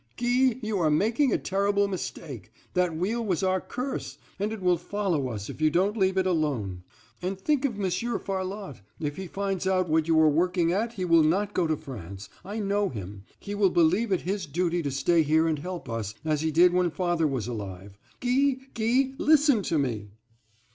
"Guy, you are making a terrible mistake. That wheel was our curse, and it will follow us if you don't leave it alone. And think of Monsieur Farlotte; if he finds out what you are working at he will not go to France—I know him; he will believe it his duty to stay here and help us, as he did when father was alive. Guy, Guy, listen to me!"